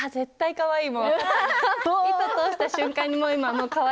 かわいい！